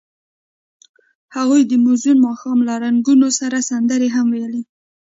هغوی د موزون ماښام له رنګونو سره سندرې هم ویلې.